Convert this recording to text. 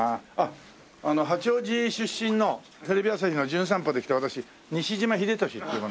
あの八王子出身のテレビ朝日の『じゅん散歩』で来た私西島秀俊っていう者。